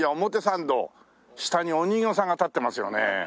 下にお人形さんが立ってますよね。